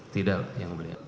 tidak yang boleh